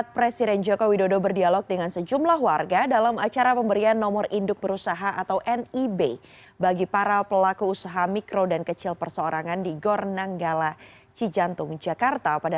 presiden jokowi karena tidak menerima bantuan